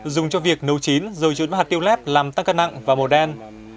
dùng cho việc nấu chín rồi trộn với hạt tiêu lép làm tăng cân nặng và màu đen